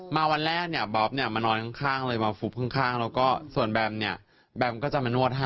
วันแรกเนี่ยบ๊อบเนี่ยมานอนข้างเลยมาฟุบข้างแล้วก็ส่วนแบมเนี่ยแบมก็จะมานวดให้